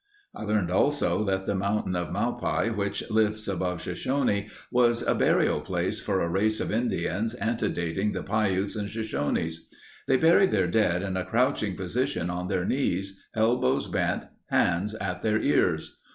I learned also that the mountain of malpai which lifts above Shoshone was a burial place for a race of Indians antedating the Piutes and Shoshones. "They buried their dead in a crouching position on their knees, elbows bent, hands at their ears.